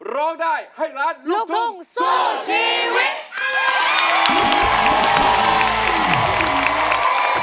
ร้องได้ให้ล้านลูกทุ่งสู้ชีวิต